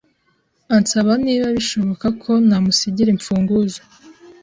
Ansaba niba bishoboka ko namusigira imfunguzo